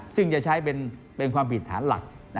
ซึ่งจะใช้เป็นความผิดฐานหลัก